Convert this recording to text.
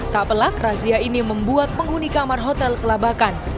tak pelak razia ini membuat penghuni kamar hotel kelabakan